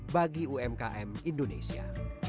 bagi umkm indonesia